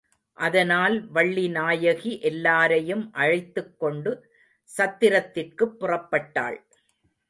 அதனால் வள்ளிநாயகி எல்லாரையும் அழைத்துக் கொண்டு சத்திரத்திற்குப் புறப்பட்டாள்.